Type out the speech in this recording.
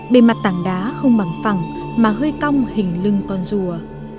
bề mặt tảng đá không bằng phẳng mà hơi cong hình lưng con rùa